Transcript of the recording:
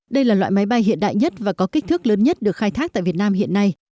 đây là loại máy bay hiện đại nhất và có kích thước lớn nhất được khai thác tại việt nam hiện nay